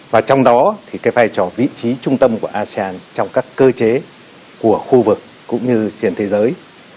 và trong đó thì cái vai trò vị trí trung tâm của asean trong các cơ chế của khu vực cũng như trên thế giới